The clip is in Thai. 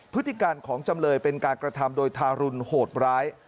พฤติการของจำเลยเป็นการกระทำโดยทารุณโหดร้าย